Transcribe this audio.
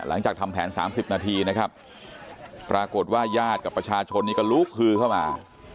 หลังจากทำแผน๓๐นาทีนะครับปรากฏว่าญาติกับประชาชนนี้ก็ลุกคือเข้ามา